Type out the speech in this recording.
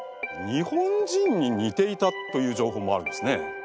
日本人に似ていたという情報もあるんですね。